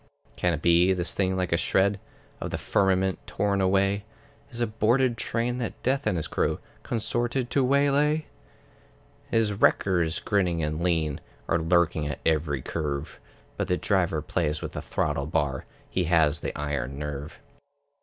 Can it be, this thing like a shred Of the firmament torn away, Is a boarded train that Death and his crew Consorted to waylay? His wreckers, grinning and lean, Are lurking at every curve; But the Driver plays with the throttle bar; He has the iron nerve.